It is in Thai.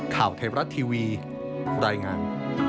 ข่าวไทยรัฐทีวีรายงาน